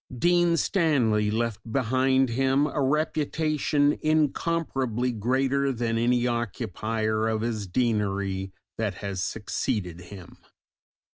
Dean Stanley left behind him a reputation incomparably greater than any occupier of his Deanery that has succeeded him.